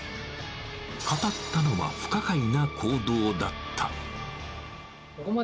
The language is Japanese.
語ったのは不可解な行動だった。